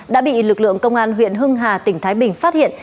đã bị lực lượng công an huyện hưng hà tỉnh thái bình phát hiện